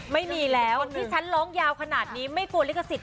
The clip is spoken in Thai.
ไม่มีแล้วที่ฉันร้องยาวขนาดนี้ไม่กลัวลิขสิทธ